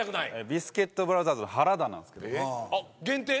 ビスケットブラザーズの原田なんすけど限定？